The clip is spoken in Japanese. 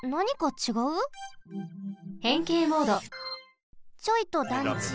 ちょいと団地を。